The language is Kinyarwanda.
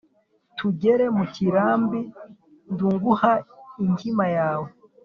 tugere mu kirambi ndnguha inkima yawe